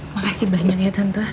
makasih banyak ya tante